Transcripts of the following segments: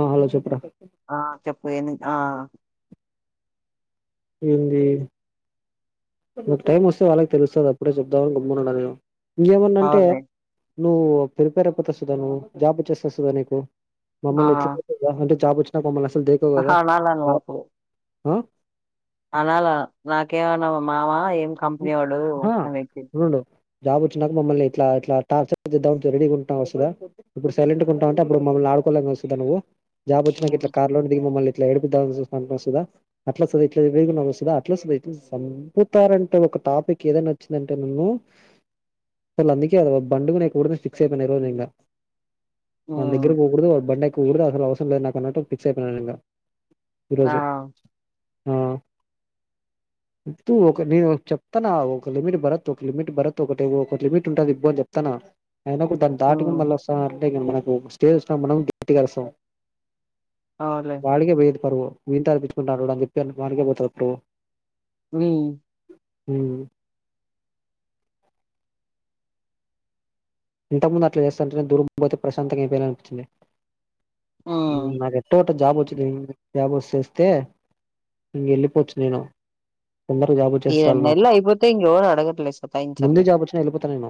ఆ హలో చెప్పురా ఆ చెప్పు ఏంది ఆ ఏంది మాకు టైం వస్తే వాళ్ళకి తెలుస్తుంది అప్పుడే చూద్దాం అని గమ్మునా ఉండా నేను ఇంకేమన్నా అంటే అవునులే నువ్వు ప్రిపేర్ అయిపోతావు సుధాన్ నువ్వు జాబ్ వచ్చేస్తాది సుధన్ నీకు ఆ మమ్మల్ని ఇట్ల [unintelligible] అంటే జాబ్ వచ్ దేకో గదా ఆహా అనాలా కాద్ ఆ అనాల నాకేమన్నా నా మావా ఏం కంపెనీ వాడు ఆహా అనేసి ఉండు జాబ్ వచ్చినాక మమ్మల్ని ఇట్లా ఇలా టాచ్చర్ చేయడానికి రెడీగా ఉంటావా సుధన్ ఇప్పుడు సైలెంట్గా ఉంటావ్ అంటే అప్పుడు మమ్మల్ని ఆడుకోలేకనా సుధన్ నువ్వు జాబ్ వచ్చినాక ఇట్లా కార్లోనుండి దిగి మమ్మల్ని ఇట్ల ఏడుపు [unintelligible] కుతారంటే ఒక టాపిక్ ఏదైనా వచ్చిందంటే నన్ను అసలు అందుకే బండు మీద ఎక్కకూడదు అని ఫిక్స్ అయిపోయినా ఈ రోజు ఇంగ వాన్ మ్మ్ దగ్గరకి పోకూడదు వా బండు ఎక్కకూడదు అసలు అవసరం లేదు, నాకు అన్నట్టు ఫిక్స్ అయిపోయినా నేను ఇంగ. ఆ హు తు ఒక నే చెప్తున్నా ఒక లిమిట్ భరత్, ఒక లిమిట్ భరత్, ఒకటి ఒకటి లిమిట్, ఉంటది ఇవబో చెప్తున్నా. అయినా కూడ దాన్ని మ్మ్ దాటుకుని మళ్ళ వస్తాన్నరు అంటే మనకు స్టేజ్ విన మనం గట్టిగా అరుస్తాం. అవునులే వాడికే పోయేది పరువు వీడితో అనిపించుకుంటాన్నాడు అని చెప్పి వానికే పోతది పరువు. నీ హు ఇంతకుముందు అట్లా చేస్తుంటనే దూరం పోతే ప్రశాంతంగా అయిపాయాలే అనిపించింది. హు మ్మ్ అదే ట్టుట్ జాబ్ వచ్చిది జాబ్ వచ్చేస్తే ఇంగ వెళ్ళిపోచ్చు నేను తొందరగా జాబ్ ఈ వచ్చేస్తాది రెండు నాకు నెల్లు అయిపోతే ఇంగ ఎవరు అడగర్లే ముందే సతాయించర్లే జాబ్ వచ్చినా వెళ్ళిపోతా నేను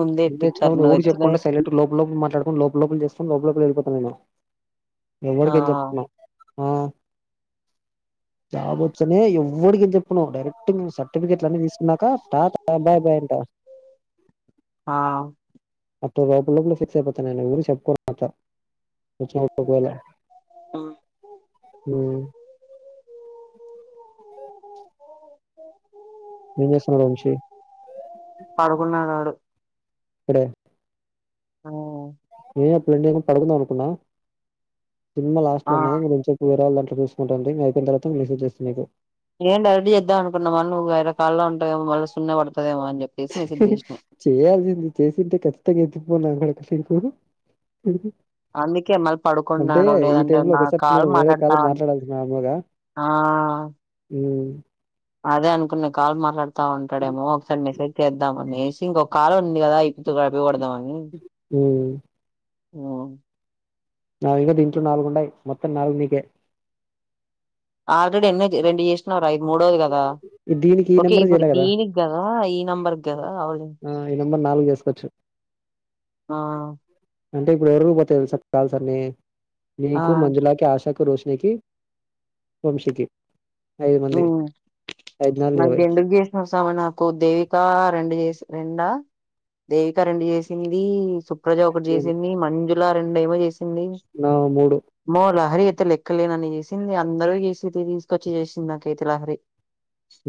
ముందే ఇప్పిత్తారు నువ్వుఒచ్చినావ్ నువ్వు ఒడికి వచ్చినవి చెప్పకుండా సైలెట్ గా లోప లోపుల మాట్లాడుకుని, లోప లోపల చేసుకొని లోప లోపల వెళ్లిపోతా నేను. ఆ ఎవడికేం చెప్పకున్న జాబ్ వచ్చనే ఎవ్వడికేం చెప్పను డైరెక్ట్ మేం, సర్టిఫికేట్లు అన్ని తీసుకున్నాక టాటా బాయ్ బాయ్ అంటా. ఆ అట్టు లోపల, లోపల ఫిక్స్ అయిపోతా నేను ఎవరికి చెప్పుకోను అట్లా వచ్చినా ఒకవేళ. ఆ హు ఏం చేస్తున్నాడు వంశీ పడుకున్నాడు ఆడు ఇప్పుడే ఆ నేనప్పుడు ఎండింగ్ లో పడుకుందాం అనుకున్నా సినిమా లాస్ట్ ఆ లో నే ఇంక రోంచెపు వేరే వాళ్ళ దాంట్లో చూసుకుంటుంటి ఇంక అయిపోయిన తర్వాత లేసొచ్చేస్తి పో నేను డైరెక్ట్ చేద్దామనుకున్న చేద్దాం మల్ల నువ్వు వేరే కాల్లో ఉంటావేమో మళ్ళీ సున్నె పడతాడేమో అని చెప్పి చేయాల్సింది చేసింటే ఖచ్చితంగా [unintelligible] లేకు అందుకే మళ్ళీ అంటే పడుకున్నాడో ఈ లేదంటే టైమ్ లో నా ఒకోసారి కాల్ నేను వేరే మాట్లాడతా కాల్లో ఉన్- మాట్లాడాల్సి నార్మల్ గా ఆ మ్మ్ అదే అనుకున్న కాల్ మాట్లాడుతా ఉంటాడేమో ఒకసారి మెసేజ్ చేద్దామనేసి ఇంకొక ఉంది కదా ఈపొద్దు అయిపగొడదాం మ్మ్ నావింగ దీంట్లో నాలుగు ఉండయి మొత్తం నాల్గు నీకే ఆల్రెడీ ఎన్నోది రెండు చేసినావ్ రా ఇది మూడోది కదా దీనికి ఈ ఓకే నెంబర్ ఇప్పుడు చేయలే కదా దీనికి కదా ఈ నంబర్కి కదా అవలేం ఆ ఈ నంబర్ నాలుగు చేసుకోవచ్చు ఆ అంటే ఇప్పుడు ఎవరు పోవు తెలుస కాల్సన్నీ ఆ నీకు మంజులాకి ఆశ కు రోషినికి వంశి కి మ్మ్ నాలుగు నాకు ఇరవై దెండుగ చేసినవ్ సామ నాకు దేవిక రెండు చేసి రెండా దేవిక రెండు చేసింది సుప్రజ ఒకటి నేను చేసింది మంజులా రెండు ఏమో చేసింది నా మూడు అమ్మో లహరి అయితే లెక్కలేనని చేసింది అందరూ చేసి తీసుకొచ్చి చేసింది నాకైతే లహరి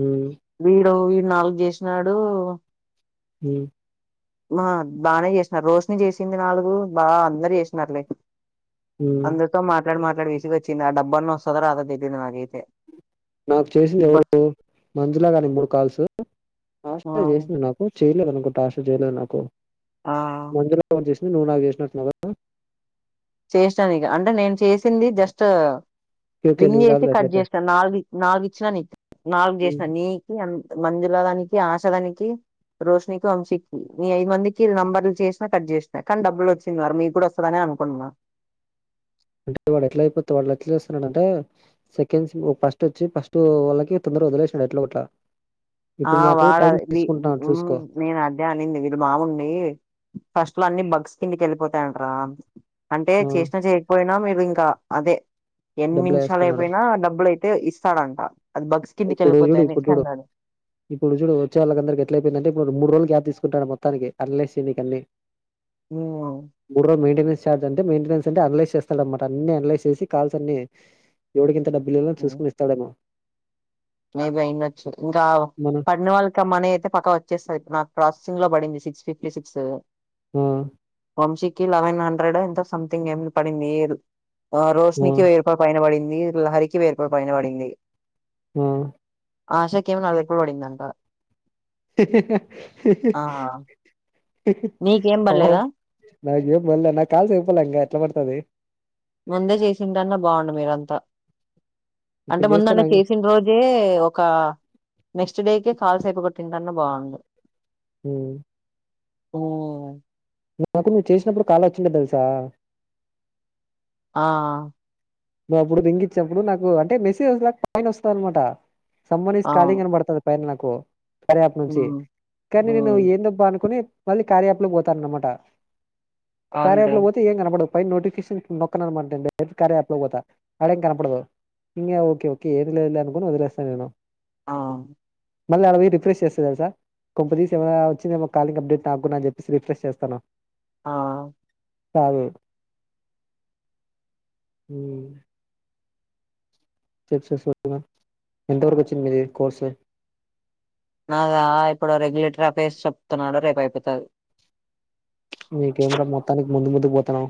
ఉమ్ వీడు వీడు నాలుగు చేసినాడు మ్మ్ ఆ బాగానే చేసినారు రోషని చేసింది నాలుగు బాగా అందరు చేసినారులే ఉమ్ అందరితో మాట్లాడి మాట్లాడి విసుగొచ్చింది ఆ డబ్బు అన్న వస్తదొ, రాదో తెలీదు నాకైతే నాకు చేసింది అబ్బా ఎవరు మంజులా గారు మూడు కాల్సు ఆ [unintelligible] చేసింది నాకు చెయలేదునుకో టాస్క్ లు చేయలేదు నాకు ఆ మంజుల నువ్వు నాకు చేసినట్లున్నావా చేసినా నీకి అంటే నేను చేసింది జస్ట్ ఓకే ఓకే రింగ్ నువ్వు ఇచ్చి కాదులే కట్ అట్లయితే చేసినా నాలుగు నాలుగు ఇచ్చినా నీకి నాలుగు ఉమ్ చేసినా నీకు, మీ మంజలా దానికి ఆషాదానికి రోషినీకి, వంశీకి మీ ఐదు మందికి నంబర్లు చేసినా కట్ చేసినాయి కానీ డబ్బులు వచ్చింది వారు మీకు కూడా వస్తుందని అనుకుంటున్న అంటే వాడు ఎట్లా అయిపోత ఎట్లా చేస్తున్నాడుంటే సెకండ్ సిమ్ ఫస్ట్ వచ్చి ఫస్ట్ వాళ్ళకి వదిలేసిండు ఎట్లోగొట్లా ఆ వాడే నేను అదే అనింది వీళ్ళ బాగుంది ఫస్టులో అన్ని బా క్స్ కిందికి వెళ్ళిపోతాయింటరా అంటే ఆ చేసినా చేయకపోయినా మేము ఇంకా అదే ఎన్ని డబ్బులు నిమిషాలు వేస్తున్నాడు అయిపోయినా డబ్బులయితే ఇస్తాడంట అది బగ్స్ కిందికి ఇప్పుడు చూడు వెళ్ళిపోతాయని ఇప్పుడు చూడు అన్నాడు ఇప్పుడు చూడు వచ్చే వాళ్లందరికి ఎట్లయిపోయిందంటే ఇప్పుడు మూడు రోజులు గ్యాప్ తీసుకుంటె మొత్తానికి అనలైజ్ చేయనికి అన్ని మూడు రోజులు మెయింటెనెన్స్ చార్జ్ అంటే మెయింటెనెన్స్ అంటే అనలైస్ చేస్తాడన్నమాట అన్ని అనలైస్ చేసి కాల్స్ అన్ని ఎవరికెంత డబ్బులు ఇవ్వాలో చూకుకొని ఇస్తాడేమో మేబి అయిండొచ్చు ఇంకా మనం పడిన వాళ్ళకి మనీ అయితే పక్క వచ్చేసినట్టు నాకు క్రాసింగ్ లో పడింది సిక్స్ ఫిఫ్టీ సిక్స్ ఆ వంశీకి లెవెన్ హండ్రెడో ఎంతో సంథింగ్ ఏమో పడింది ఆ రోషినీకి వెయ్యి రూపాయల పైన పడింది లహరికి వెయ్యి రూపాయల పైన పడింది ఆ ఆషాకేమో వెయ్యి రూపాయలు పడిందంట ఆ నీకేం ఓహో పడలేదా నాకింకా ఏం పల్లే నా కాల్స్ అయిపోలే ఇంగ ఎట్లా పడతాది ముందే చేసింటన్న బాగుండు మీరంతా అంటే ఇప్పుడు చేస్తే ముందన్న నాకు చేసిన రోజే ఒక నెక్స్ట్ డేకే కాల్స్ అయిపోగొట్టింటేనన్న బాగుండు మ్మ్ మ్మ్ నాకు నువ్వు చేసినప్పుడు కాల్ వచ్చిండే తెలుసా ఆ నువ్వు అప్పుడు రింగ ఇచ్చినప్పుడు నాకు అంటే మెసేజు వస్ పైన వస్తదనమాట సమ్మర్ ఈస్ కాలింగ్ అవును అని పడుతది పైన నాకు కార్యాప్ నుంచి మ్మ్ కానీ నేను మ్మ్ ఏం దబ్బ అనుకొని మళ్ళీ కార్య ఆప్ లోకి పోతాన్న అనమాట కార్య యాప్ అవునులే లోకి పోతే ఏం కనపడవు పైన నోటిఫికేషన్ నొక్క [unintelligible] కార్య ఆప్ పోతా ఆడేం కనపడదు ఇంకా ఓకే ఓకే ఏమి లేదులే అనుకుని వదిలేస్తాను నేను ఆ మళ్ళా ఆడ రిఫ్రెష్ చేస్తా తెలుసా కొంపదీసి ఏమైనా వచ్చిందేమో కాలింగ్ అప్డేట్ నాకు అని చెప్పేసి రిఫ్రెష్ చేస్తాను ఆ సరే మ్మ్ స ఎంత వరకు వచ్చిందిది కోర్స్ నాద ఇప్పుడు రెగ్యులేటర్ ఆ ఫేస్ చెప్తున్నాడు రేపు అయిపోతుంది మీకేం రా మొత్తానికి ముందు ముందుకు పోతున్నావ్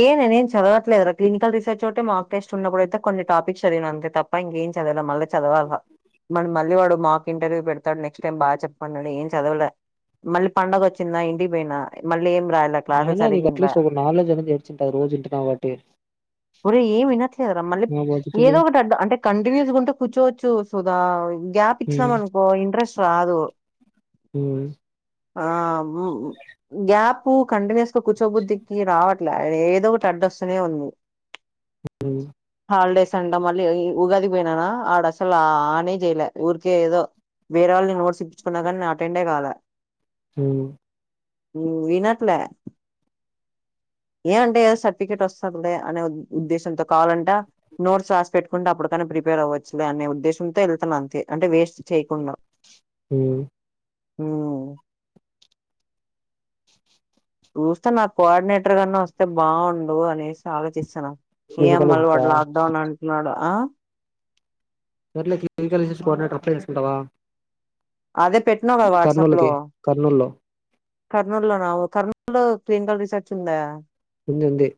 ఏ నేనేం చదవట్లేదుా క్లిక రీసెర్చ్ ఒకటి మాార్క్ టెస్ట్ ఉన్నప్పుడయితే కొన్ని టాపిక్స్ చదివివ అంతే తప్ప ఇంక ఏం చదవాల మళ్ళీ చదవాల మన మళ్ళీ వాడు మాకు ఇంటర్వ్యూ పెడతాడు నెక్స్ట్ టైం బాగా చెప్పండి ఏం చదవవులే మళ్ళీ పండడుగ వచ్చిందా ఇంటికి పోయినా మళ్ళీ ఏం రాయలే క్లాసులు అయినా సరిగా నీకు ఇన్లే అట్లీస్ట్ ఒక నాలుెడ్జ్ అనేది ఏడ్చంటుది రోజు ఇంటును కాబట్టి పరే ఏమినారా మల మా బతుకులు ఏదో ఒకటి అడ్ అంటే కంటిన్యూస్ ఉంటే కూర్చోవచ్చు సుదా గ్యాప్ ఇచ్చినామ అనుకో ఇంట్రెస్ట్ రాదు అవు ఆ గ్యాప్ కంటిన్యూస్ గా కూచోబుద్ధికి రావట్ ఏదో ఒక టడస్సనేే ఉంది హ హాలడేస్ అంట మళ్ళీ ఉగాదికి పోయిననా ఆడసలు ఆనే చేయలే ఊరికే ఏదో వేరే వాళ నేను నోట్స్ ఇించుకున్నా కాగానీ అటెండడ్ కాల హ ఈనాట్ల ఏ అంటే ఏదో సర్టిఫికేట్ వస్తలే అనే ఉద్దేశంతో కావాలంట నోట్స్ రాసి పెట్టుకుంటే అప్పుటికైనా ప్రిపేర్ అవ్వచ్చులే అనే ఉద్దేశంతో వెళ్తాను అంతే అంటే వేస్ట్ చేయకుండా హ హ చూస్తే నాకు కోఆర్డినేటర్ కన్నా వస్తే బాగుండు అనేసి ఆలోచిస్తన్నా క్లినికల్ ఏమ్మలు వాడు లాక్డౌన్ అంటున్నాడు ఆ సట్లే కమికల్కోడిన అప్పుడ తీసుకుంటావా అదే పెట్టినా కదా వాట్సాప్ లో కర్నూలులో కర్నూలు లోనా కర్నూలు లో క్ీనికల్ రీసార్చ్ ఉందా ఉంది ఉంది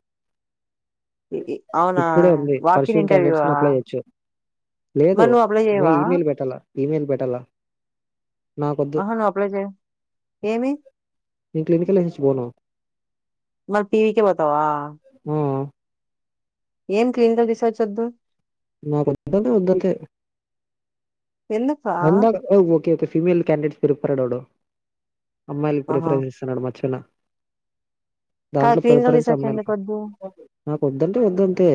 ఇ ఇ అవునా ఇప్పుడే ఉంది వాకిన్ పరిశుం క్యాండిడేట్స్ ఇంటర్వ్యూవా అప్లై అయ్యొచ్చు లేదు మరి నువ్వు అప్లై మ చేయవా ఇమెయిల్ పెట్టాల ఇమెయిల్ పెట్టాల నా కొద్ది ఆహా నువ్వు అప్లై చేయ్ ఏమి న క్లినికల్ వించి పోను మరి పివీ క బతవా ఆ ఏం క్లినికల్ రీసర్చ్ వద్దు నాకు వద్ద వద్దంతే ఎందుకా అందా ఓకే ఓకే ఫీమేల్ కడిడేట్స్ పేరు పరాడాడ అమ్మాయిలకి ఆహా ప్రిఫరెన్స్ ఇస్తున్నాడు మచ్చిన కాదు దాంట్లో క్లినికల్ పెరపరించి రీసెర్చ్ అమ్మ ఎందుకు వద్దు నాకు వద్దంటే వదుంతే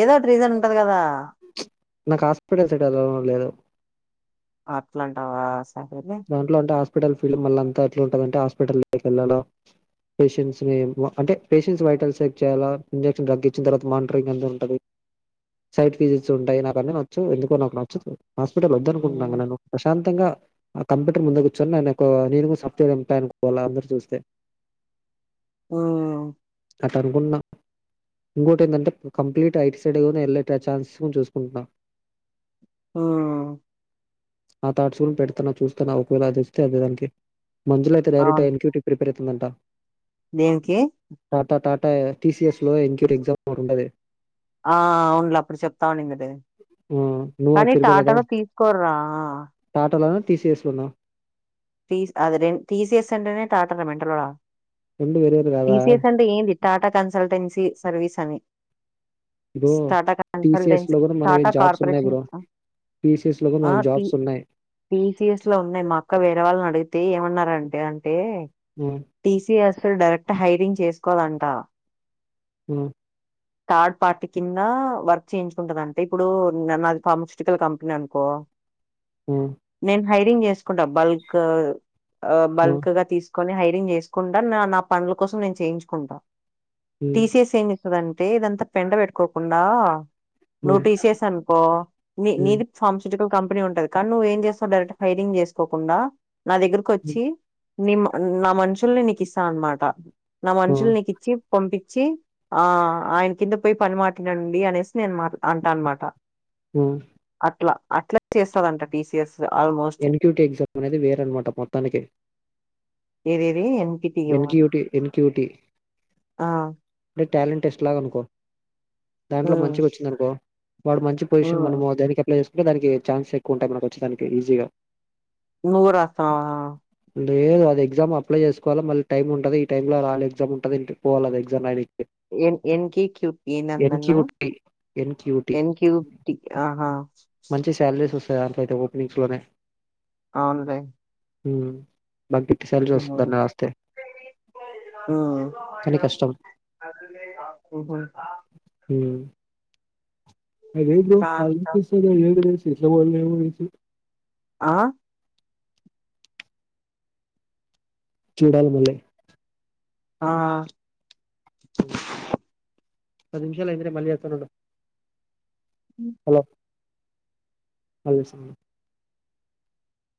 ఏదో ఒకటి రీజన్ ఉంటది కదా నాకు హాస్పిటల్ సిట్ ఎద లేదు అట్లాంటావా సహలే దాంట్లో అంటే హాస్పిటల్ ఫీల్డ్ మళ్ళ అంత ఎట్లా ఉంటుందంటే హాస్పిటల్ల్లో వెళ్ళడం పేషెంట్స్ ని అంటే పేషెంట్స్ వైటల్ సేక్ చేయాలా ఇంజెక్షన్ డగ్ ఇచ్చిన తర్వాత మానిటరింగ్ ఎంత ఉంటుంది సైట్ ఫిజిట్స్ ఉంటాయి నాకు అన్ని నచ్చు ఎందుకో నాకు నచ్చ హాస్పిటల్ వదు అనుకుంటున్నాను ఉమ్ నేను ప్రశంత్ ఖొతంగా ఆ కంప్యూటర్ ముందు కూర్చొని నేను ఒక నేనుగా సాఫ్ట్వేర్ ఎం అనుకోవి అందరరు చూస్తే హ అట్ అనుకుంటున్నాం ఇంకోటి ఏంటంటే కంప్లీట్ ఐట్ సైడ్ వెళ్ళ ట్టే ఛాన్సెస్ చూసుకుంటున్నా ఆ ఆ థాట్స్ పెడుతున్న చూస్తన్న ఒకవేళ అదొస్తే అదేదానికి మంజుల అయితే డైరెక్ట్ అవును ఎంక్యూ ప్రిపేర్ ర్అవుతుందట దేనికి. ఆ టి సి ఎస్ లో ఇంకోటి ఎగ్జామ్ ఒకటి ఉంటది. ఆ అవున్లే అప్పుడు చెప్తావుండింది. ఆ నువ్వు అది కానీ ప్రిపేర్ అవుదాం టాటాలో తీసుకోర్రా. టి సి ఎస్ లోనా టీస్ అది రె టి సి ఎస్ అంటేనే టాటరా మెంటలోడా. రెండు వేర్వేరు గాదా. టీసీఎస్ అంటే ఏంది టాటా కన్సల్టెన్సీ సర్వీస్ అని. బ్రో స్టాటా టీసీఎస్ కన్సల్టెన్సి లో కూడా మనవి టాటా జాబ్స్ ఉన్నాయి కార్పొరేషన్ బ్రో టీసీఎస్ లో కూడా ఆ మనకి పి జాబ్స్ ఉన్నాయి టి సి ఎస్ లో ఉన్నాయి మా అక్క వేరే వాళ్ళనడు అయితే ఏమన్నారంటే అంటే ఉమ్, టీసిఎస్ అసలు డైరెక్ట్ హైరింగ్ చేసుకోదంటా. ఉ థర్డ్ పార్టి కిందా వర్క్ చేయించుకుంటరంతే ఇప్పుడు న నాది ఫార్మసూటికల్ కంపెనీ అనుకో హ్మ్ నేను హైరింగ్ చేసుకుంటా బల్క్ ఆ ఉమ్, బల్క్ గా తీసు కొని హైరింగ్ చేసుకుంట నా నా పనుల కోసం నేన్ చేయించుకుంట ఉమ్, టీసిఎస్ ఏం స్తదంటే ఇదంత పెంట బెట్టుకోకుండా. నువ్ టీసిఎస్ అనుకో నీ ఉమ్, నీది ఫార్మసూటికల్ కం పెనీ ఉంటది కానీ నువ్వు ఏం చేస్తావు డైరెక్ట్ హైరింగ్ చేసుకోకుండా నా ఉమ్, దగ్గరికొచ్చీ నీ మ నా మనుషుల్ని నీకిస్తా అన్మాట నా మనుషులు ఉమ్, నీకిచ్చి పంపి చ్చి ఆ ఆయన కింద పొయి పని మాట్లాడండి అనేసి నేను మాట్ల అంటా అన్మాట. హ్మ్ అట్ల అట్ల చేస్తదంట TCS. N Q T exam అనేది వేరనమాట మొత్తానికే ఏదేది NPT N Q T N Q T ఆ టాలెంటెస్ట్ లాగనుకో దాంట్లో ఉమ్ మంచిగొచ్చిందనుకో వాడు మంచి పొజిషన్ ఉమ్ మనము దేనికి అప్లై చేసుకుంటే దానికి ఛాన్స్ ఎక్కువుంటాయి మనకు అచ్చే దానికి ఈజీగా. నువ్వు రాస్తనవా. లేదు అది ఎగ్జాము అప్లై చేసుకోవాల మళ్లి టైం ఉంటది ఈ టైమ్లో రాయాలి ఎగ్జామ్ ఉంటది అంటె పోవాల అది ఎగ్జామ్ రాయనికి. యన్ యన్ కి క్యూ పి ఏందందన్నవ్. NQT NQT N Q T ఆహా. మంచి [unintelligible] అవునులే హ్మ్ బన్కి ఎంత సాలరీ ఒస్తద్దన్నా ఒస్తే. మ్మ్ ఉహు ఆ లేద్ బ్రో [unintelligible] ఆ చూడాలి మళ్ళీ. ఆ ఓ షట్ పది నిమిషాలయింది నేను మళ్ళీ చేస్తానుండు. హలో [unintelligible]